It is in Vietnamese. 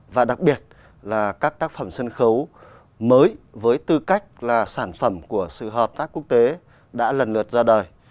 và đặc biệt là các tác phẩm sân khấu mới với tư cách là sản phẩm của sự hợp tác quốc tế đã lần lượt ra đời